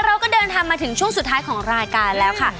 เราก็เดินทางมาถึงช่วงสุดท้ายของรายการแล้วค่ะ